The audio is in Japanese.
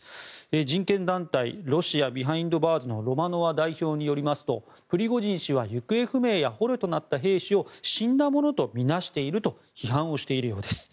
人権団体ロシア・ビハインド・バーズのロマノワ代表によりますとプリゴジン氏は行方不明や捕虜となった兵士を死んだものとみなしていると批判をしているようです。